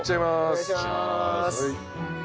お願いします。